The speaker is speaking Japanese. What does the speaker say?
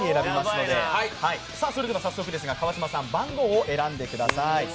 早速ですが、川島さん番号を選んでください。